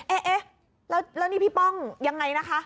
เอ๊ะแล้วนี่พี่ป้องยังไงนะคะ